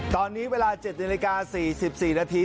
ตอนนี้เวลา๗๔๔นาที